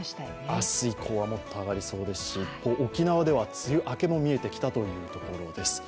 明日以降は、もっと上がりそうですし、沖縄では梅雨明けも見えてきたというところです。